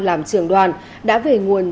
làm trưởng đoàn đã về nguồn